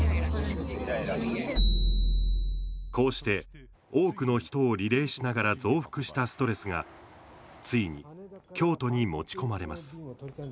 こうして多くの人をリレーしながら増幅したストレスがついに、京都に持ち込まれます。